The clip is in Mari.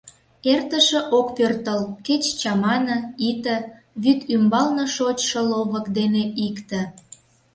Эртыше ок пӧртыл, кеч чамане, ите — вӱд ӱмбалне шочшо ловык дене икте.